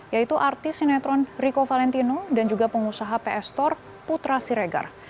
yaitu artis sinetron rico valentino dan juga pengusaha pstore putra siregar